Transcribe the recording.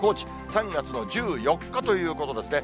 ３月の１４日ということですね。